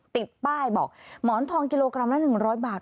ติดป้ายบอกหมอนทองกิโลกรัมละ๑๐๐บาท